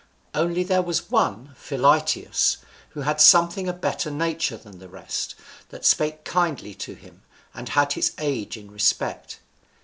Only there was one Philaetius, who had something a better nature than the rest, that spake kindly to him, and had his age in respect.